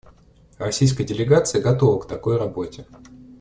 Российская делегация готова к такой работе.